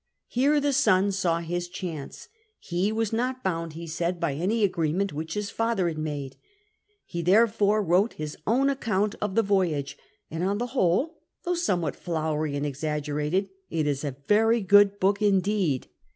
Here the son saw his chance. He was not bound, he said) by any agreement which his father had made. He therefore wrote his own account of the voyage, and, on the whole, though somewhat fiowery and exaggerated, it is a very good book indeed.